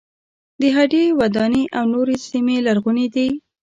د هډې وداني او نورې سیمې لرغونې دي.